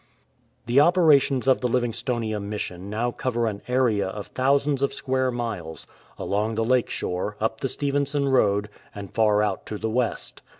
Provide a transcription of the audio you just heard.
*" The operations of the Livingstonia Mission now cover an area of thousands of square miles — along the Lake shore, up the Stevenson Road, and far out to the west.